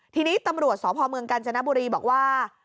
ทีนี้ตำรวจสพเมืองกาญจนบุรีบอกว่า